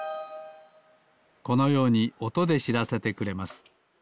このようにおとでしらせてくれます。